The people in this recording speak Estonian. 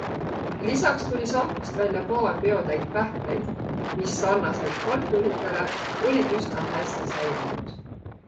Lisaks tuli sahvrist välja paar peotäit pähkleid, mis sarnaselt kartulitele olid üsna hästi säilinud.